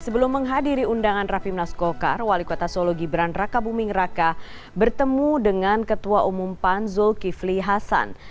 sebelum menghadiri undangan rapimnas golkar wali kota solo gibran raka buming raka bertemu dengan ketua umum pan zulkifli hasan